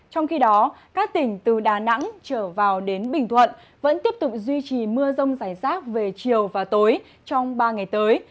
trong khi đó các tỉnh từ đà nẵng trở vào đến bình thuận vẫn tiếp tục duy trì mưa rông rải rác về chiều và tối trong ba ngày tới